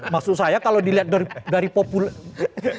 maksud saya kalau dilihat dari populasi